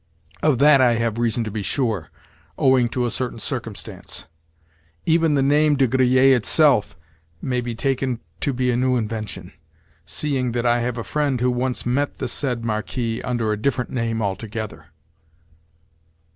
Of that I have reason to be sure, owing to a certain circumstance. Even the name De Griers itself may be taken to be a new invention, seeing that I have a friend who once met the said 'Marquis' under a different name altogether."